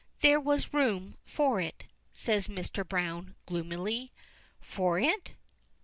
"There was room for it," says Mr. Browne gloomily. "For it?"